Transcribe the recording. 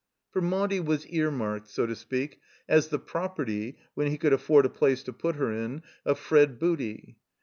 For Maudie was ear marked, so to speak, as the property (when he could afford a place to put her in) of Fred Booty.